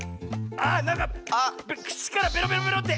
あなんかくちからベロベロベロって。